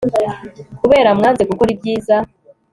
kubera mwanze gukora ibyiza